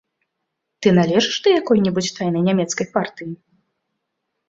Ты належыш да якой-небудзь тайнай нямецкай партыі?